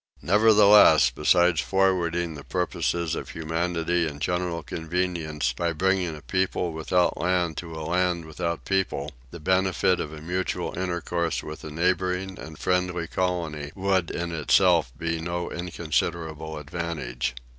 Nevertheless besides forwarding the purposes of humanity and general convenience in bringing a people without land to a land without people the benefit of a mutual intercourse with a neighbouring and friendly colony would in itself be no inconsiderable advantage.